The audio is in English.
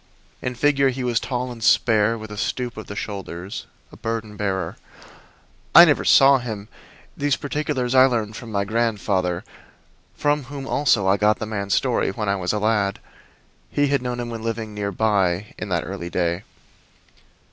In figure he was tall and spare, with a stoop of the shoulders a burden bearer. I never saw him; these particulars I learned from my grandfather, from whom also I got the man's story when I was a lad. He had known him when living near by in that early day.